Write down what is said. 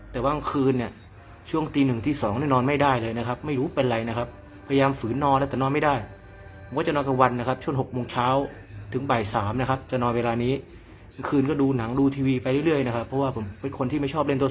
แต่ตอนนี้เนี่ยช่วงตีหนึ่งตีสอง